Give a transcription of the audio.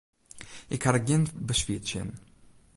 Ik ha der gjin beswier tsjin.